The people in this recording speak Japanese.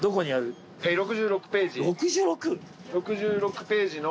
６６？６６ページの。